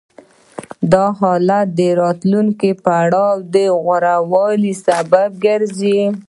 دا حالت د راتلونکي پړاو د غوره والي سبب ګرځي